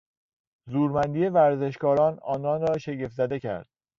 زورمندی ورزشکاران آنان را شگفت زده کرد.